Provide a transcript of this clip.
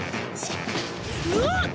うわっ！